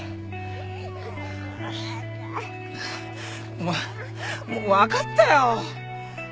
お前もう分かったよ。